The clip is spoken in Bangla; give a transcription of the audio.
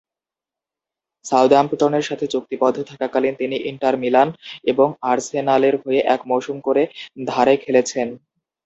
সাউদাম্পটনের সাথে চুক্তিবদ্ধ থাকাকালীন তিনি ইন্টার মিলান এবং আর্সেনালের হয়ে এক মৌসুম করে ধারে খেলেছেন।